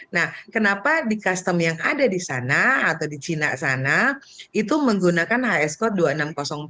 nah kenapa di custom yang ada di sana atau di cina sana itu menggunakan hs code dua ribu enam ratus empat